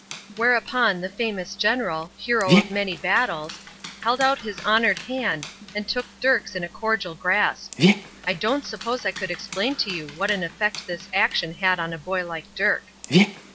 Whereupon the famous general, hero of many battles, held out his honored hand, and took Dirk's in a cordial grasp. I don't suppose I could explain to you what an effect this action had on a boy like Dirk.